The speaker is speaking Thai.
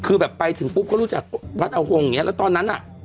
คือแบบไปถึงปุ๊บก็รู้จักวัดอหงอย่างเงี้แล้วตอนนั้นอ่ะ